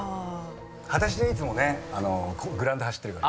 はだしでいつもねグラウンド走ってるから。